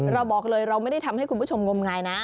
เราบอกเลยเราไม่ได้ทำให้คุณผู้ชมงมงายนะ